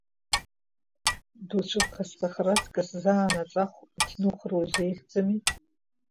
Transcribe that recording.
Дуцәыԥхасҭахар аҵкыс заанаҵ аху иҭнухыр узеиӷьӡами?